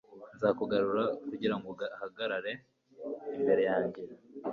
nzakugarura kugira ngo uhagarare imbere yanjye